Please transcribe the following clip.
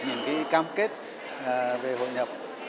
những cam kết về hội nhập